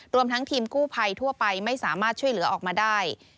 ทั้งทีมกู้ภัยทั่วไปไม่สามารถช่วยเหลือออกมาได้